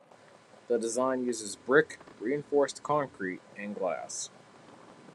The design uses brick, reinforced concrete and glass.